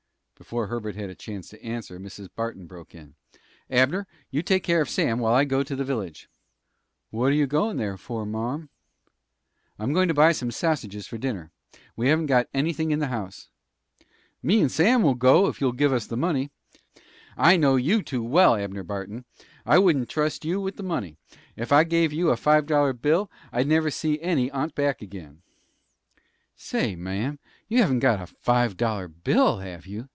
Before Herbert had a chance to answer Mrs. Barton broke in: "Abner, you take care of Sam while I go to the village." "What are you goin' there for, marm?" "I'm going to buy some sausages for dinner. We haven't got anything in the house." "Me and Sam will go, if you'll give us the money." "I know you too well, Abner Barton. I won't trust you with the money. Ef I gave you a five dollar bill, I'd never see any on't back again." "Say, mam, you haven't got a five dollar bill, have you?"